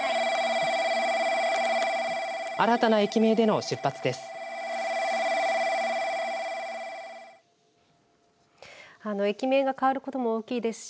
新たな駅名での出発です。